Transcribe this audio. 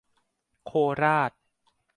โคราช